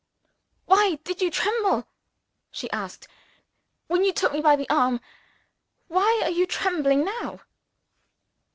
"Why did you tremble," she asked, "when you took me by the arm? Why are you trembling now?"